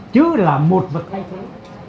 chứ là một vật thay thế